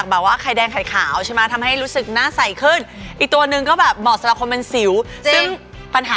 เรามาติดเลสตัวแรกเลยดีกว่านะคะ